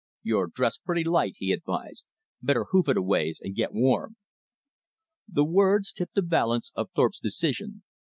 "You're dressed pretty light," he advised; "better hoof it a ways and get warm." The words tipped the balance of Thorpe's decision.